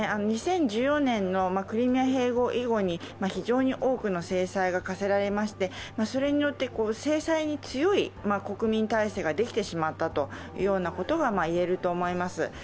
２０１４年のクリミア併合以降に非常に多くの制裁が科せられまして、それによって制裁に強い国民体制ができてしまったことが言えると思います。